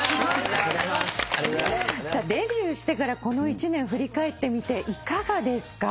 デビューしてからこの１年振り返ってみていかがですか？